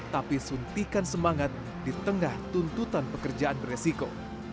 tapi suntikan semangat di tengah tuntutan pekerjaan beresiko